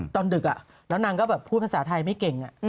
ดึกแล้วนางก็แบบพูดภาษาไทยไม่เก่ง